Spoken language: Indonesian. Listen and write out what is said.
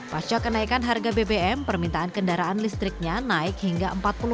pasca kenaikan harga bbm permintaan kendaraan listriknya naik hingga empat puluh lima